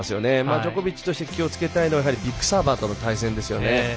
ジョコビッチとして気をつけたいのはビッグサーバーとの戦いですよね。